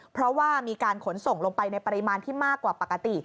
เพราะว่ามีการขนส่งลงไปในปริมาณที่มากกว่าปกติ